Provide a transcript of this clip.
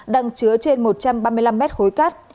đang chứa trên một trăm ba mươi năm mét khối cát